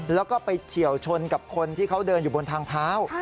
แล้วก็ไปเฉียวชนกับคนที่เขาเดินอยู่บนทางเท้า